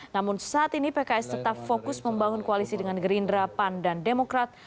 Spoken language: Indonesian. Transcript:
namun saat ini pks tetap fokus membangun koalisi dengan gerindra pan dan demokrat